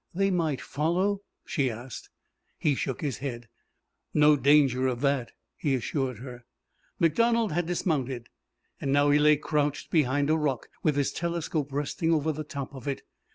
"They might follow?" she asked. He shook his head. "No danger of that," he assured her. MacDonald had dismounted, and now he lay crouched behind a rock, with his telescope resting over the top of it.